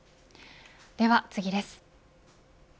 では次です。